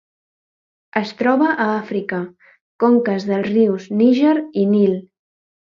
Es troba a Àfrica: conques dels rius Níger i Nil.